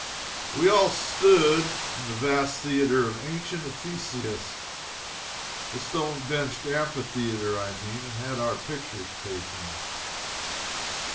We all stood in the vast theatre of ancient Ephesus, the stone benched amphitheatre I mean and had our picture taken.